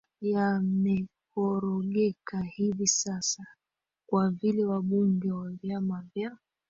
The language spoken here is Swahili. yamekorogeka hivi sasa kwa vile wabunge wa vyama vya